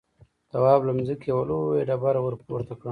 تواب له ځمکې يوه لويه ډبره ورپورته کړه.